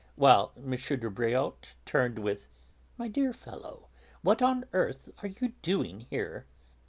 while M. de Bréauté turned with, "My dear fellow, what on earth are you doing here?"